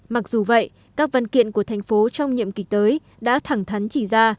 mặc dù vậy các văn kiện của thành phố trong nhiệm kỳ tới đã thẳng thắn chỉ ra